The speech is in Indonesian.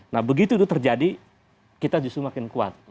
nah begitu itu terjadi kita justru makin kuat